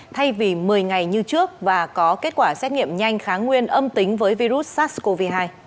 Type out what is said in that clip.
thay vì một mươi ngày như trước và có kết quả xét nghiệm nhanh kháng nguyên âm tính với virus sars cov hai